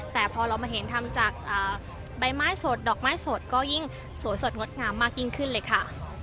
แต่พอเรามาเห็นทำจากใบไม้สดดอกไม้สดก็ยิ่งสวยสดงดงามมากยิ่งขึ้นเลยค่ะ